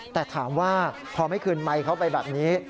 แต่ถามว่าพอไม่คืนไมค์เขาไปแบบนี้